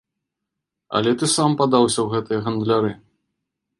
Але ты сам падаўся ў гэтыя гандляры.